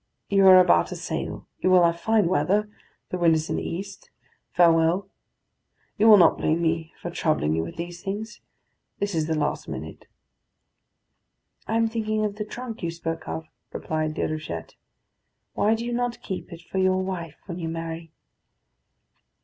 You are about to sail. You will have fine weather; the wind is in the east. Farewell. You will not blame me for troubling you with these things. This is the last minute." "I am thinking of the trunk you spoke of," replied Déruchette. "Why do you not keep it for your wife, when you marry?"